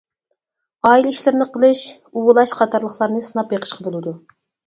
ئائىلە ئىشلىرىنى قىلىش، ئۇۋىلاش قاتارلىقلارنى سىناپ بېقىشقا بولىدۇ.